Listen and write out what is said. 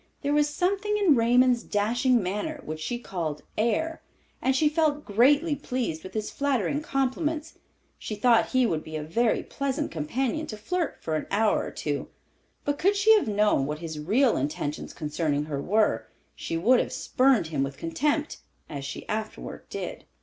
There was something in Raymond's dashing manner, which she called "air," and she felt greatly pleased with his flattering compliments. She thought he would be a very pleasant companion to flirt with for an hour or two; but could she have known what his real intentions concerning her were she would have spurned him with contempt—as she afterward did.